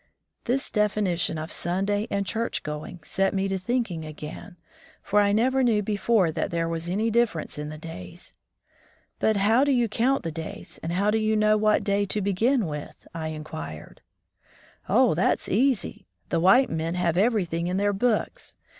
This definition of Sunday and church going set me to thinking again, for I never knew before that there was any difference in the days. "But how do you count the days, and how do you know what day to begin with?" I inquired. "Oh, that's easy! The white men have everything in their books.